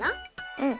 うん。